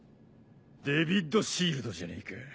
デヴィット・シールドじゃねえか。